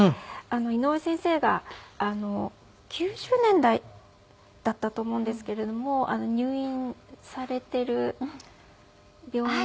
井上先生が９０年代だったと思うんですけれども入院されている病院。